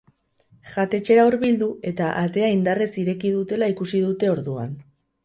Jatetxera hurbildu eta atea indarrez ireki dutela ikusi dute orduan.